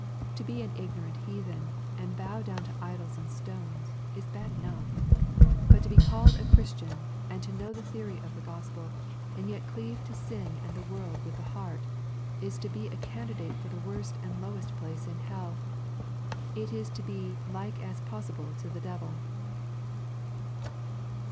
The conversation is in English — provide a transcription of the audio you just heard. To be an ignorant heathen, and bow down to idols and stones, is bad enough. But to be called a Christian, and know the theory of the Gospel, and yet cleave to sin and the world with the heart, is to be a candidate for the worst and lowest place in hell. — It is to be as like as possible to the devil.